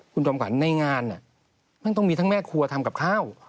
คุณจอมขวัญในงานมันต้องมีทั้งแม่ครัวทำกับข้าว